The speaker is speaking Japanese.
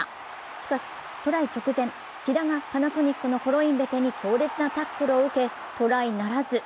しかし、トライ直前、木田がパナソニックのコロインベテに強烈なタックルを受け、トライならず。